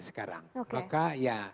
sekarang maka ya